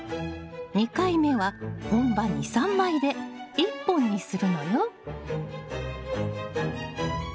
２回目は本葉２３枚で１本にするのよ。